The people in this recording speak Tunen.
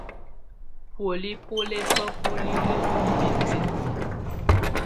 Bùóli bɔ́ lɛ bá bulilǝ́ ú bǝ́tinǝ́.